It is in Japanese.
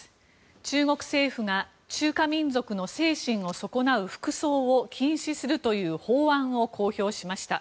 中国政府が中華民族の精神を損なう服装を禁止するという法案を公表しました。